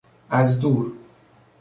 از دور